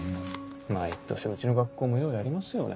毎年うちの学校もようやりますよね。